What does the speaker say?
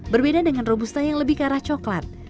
berbeda dengan robusta yang lebih karah coklat